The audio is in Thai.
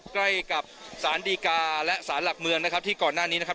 ใกล้กับสารดีกาและสารหลักเมืองนะครับที่ก่อนหน้านี้นะครับ